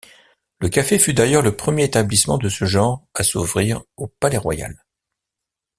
Le café fut d'ailleurs le premier établissement de ce genre à s’ouvrir au Palais-Royal.